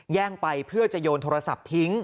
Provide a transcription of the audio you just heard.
แย่งไปเพื่อจะโยนโทรศัพท์ทิ้ง